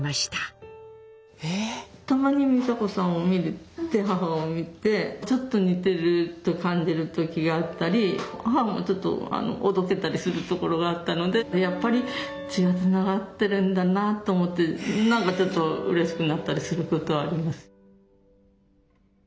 たまに美佐子さんを見て母を見てちょっと似てると感じる時があったり母もちょっとおどけたりするところがあったのでやっぱり血がつながってるんだなと思ってなんかちょっとうれしくなったりすることはあります。